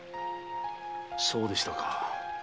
そうでしたか。